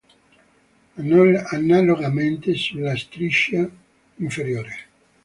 Analogamente sulla striscia inferiore.